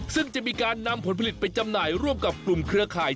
ซึ่งจะมีการนำผลผลิตไปจำหน่ายร่วมกับกลุ่มเครือข่าย